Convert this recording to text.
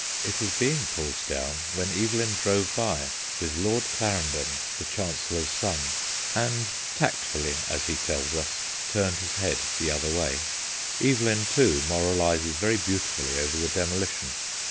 It was being THE CAVENDISHES 27 pulled down when Evelyn drove by with Lord Clarendon, the Chancellor's son, and tactfully, as he tells us, turned his head the other way. Evelyn, too, moralises very beautifully over the demolition.